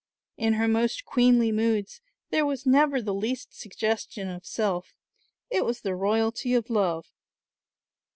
In her most queenly moods there was never the least suggestion of self, it was the royalty of love.